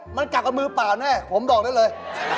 มันกักกับมือเปล่าแน่ผมบอกได้เลย